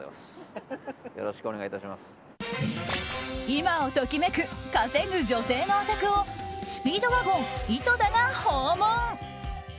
今を時めく稼ぐ女性のお宅をスピードワゴン井戸田が訪問！